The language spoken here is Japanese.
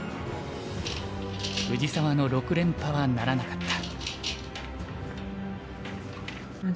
藤沢の６連覇はならなかった。